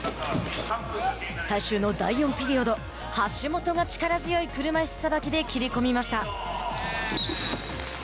最終の第４ピリオド橋本が力強い車いすさばきで切り込みました。